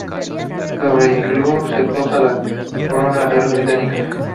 Sobre el iglú se posa la corona real británica.